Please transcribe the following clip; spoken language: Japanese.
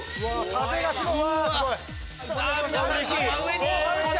風がすごい！